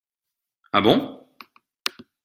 Ah bon?